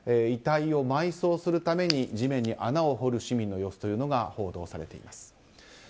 遺体を埋葬するために地面に穴を掘る市民の様子が報道されています。